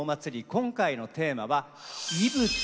今回のテーマは「息吹」です。